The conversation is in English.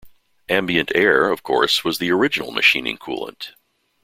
Ambient air, of course, was the original machining coolant.